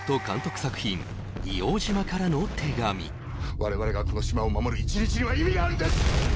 我々がこの島を守る一日には意味があるんです！